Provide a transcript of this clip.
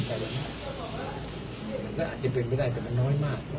หลังจากนั้นก็อาจจะเป็นไปได้แต่มันน้อยมาก